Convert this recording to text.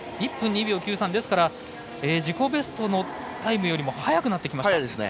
ですから自己ベストのタイムよりも速くなってきました。